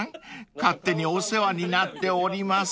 勝手にお世話になっております］